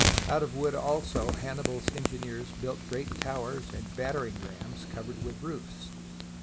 Out of wood also Hannibal's engineers built great towers and battering rams covered with roofs.